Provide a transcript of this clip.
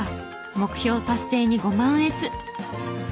目標達成にご満悦。